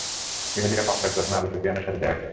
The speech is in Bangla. ইহুদীরা মক্কায় প্রথমে আবু সুফিয়ানের সাথে দেখা করে।